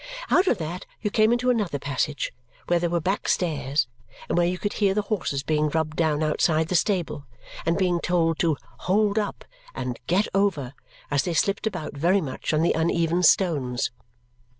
Out of that you came into another passage, where there were back stairs and where you could hear the horses being rubbed down outside the stable and being told to "Hold up" and "Get over," as they slipped about very much on the uneven stones.